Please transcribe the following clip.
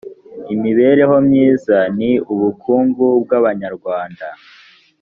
imibereho myiza ni ubukungu bw’abanyarwanda